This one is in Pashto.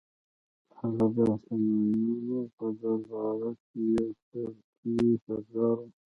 هغه د سامانیانو په درباره کې یو ترکي سردار و.